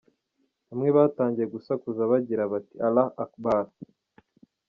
Bamwe batangiye gusakuza bagira bati‘’Allah Akbar”.